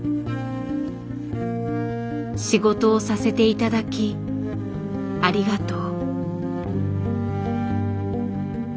仕事をさせて頂きありがとう。